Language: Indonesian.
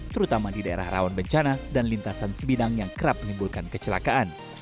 terutama di daerah rawan bencana dan lintasan sebidang yang kerap menimbulkan kecelakaan